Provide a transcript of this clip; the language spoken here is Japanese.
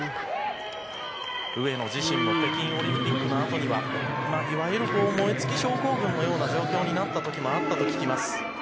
上野自身も北京オリンピックのあとにはいわゆる燃え尽き症候群のような状況になった時もあったと聞きます。